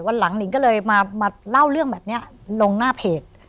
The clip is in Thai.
วันหลังหนิงก็เลยมาเล่าเรื่องแบบนี้ลงหน้าเพจ